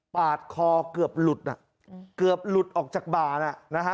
ปาดคอเกือบหลุดอ่ะเกือบหลุดออกจากบ่าน่ะนะฮะ